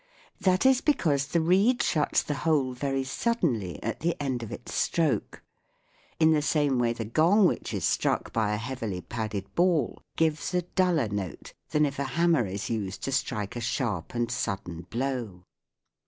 That is because the reed shuts the hole very suddenly at the end of its stroke. In the same way the gong which is struck by a heavily padded ball gives a duller note than if a hammer is used to strike a sharp and sudden blow.